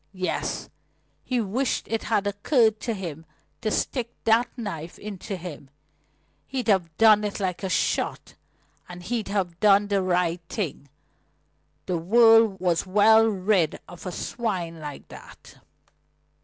Yes: he wished it had occurred to him to stick that knife into him. He'd have done it like a shot, and he'd have done the right thing. The world was well rid of a swine like that!